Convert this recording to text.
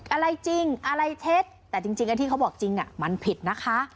อะไรจริงอะไรเท็จแต่จริงไอ้ที่เขาบอกจริงมันผิดนะคะ